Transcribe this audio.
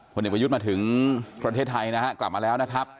เด็กประยุทธ์มาถึงประเทศไทยนะฮะกลับมาแล้วนะครับ